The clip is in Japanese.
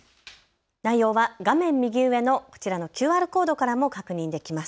内容は画面右上のこちらのＱＲコードからも確認できます。